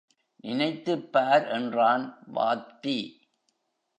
நினைத்துப் பார் என்றான் வாத்தி.